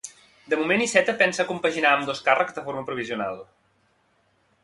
De moment, Iceta pensa compaginar ambdós càrrecs de forma provisional.